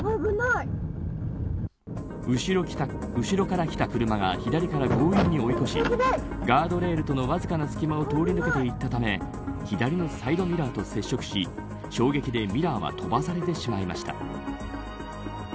後ろから来た車が、左から強引に追い越しガードレールとのわずかな隙間を通り抜けていったため左のサイドミラーと接触し衝撃でミラーは飛ばされてしまいました。